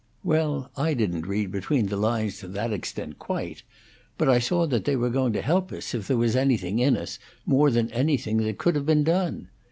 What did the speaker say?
Well, I didn't read between the lines to that extent, quite; but I saw that they were going to help us, if there was anything in us, more than anything that could have been done.